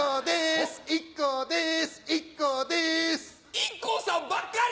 ＩＫＫＯさんばっかり！